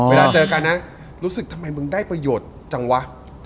เวลาเจอกันนะรู้สึกทำไมมึงได้ประโยชน์จังวะ